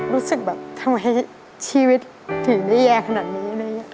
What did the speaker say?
รู้สึกแบบทำไมชีวิตถือได้แย่ขนาดนี้เลย